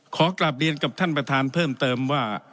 ขอกลับเรียนกับท่านประธานเพิ่มเติมว่า